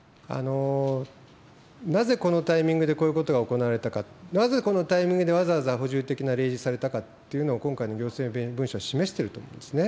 なぜこのタイミングで、こういうことが行われたか、なぜこのタイミングでわざわざ補充的な例示がされたかというのを、今回の行政文書は示してると思うんですね。